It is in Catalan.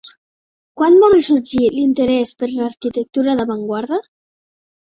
Quan va ressorgir l'interès per l'arquitectura d'avantguarda?